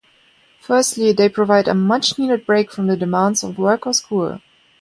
Firstly, they provide a much-needed break from the demands of work or school.